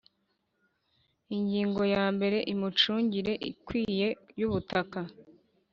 Ingingo ya mbere Imicungire ikwiye y ubutaka